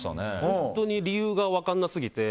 本当に理由が分からなすぎて。